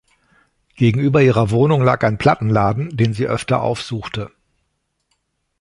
Gegenüber ihrer Wohnung lag ein Plattenladen, den sie öfter aufsuchte.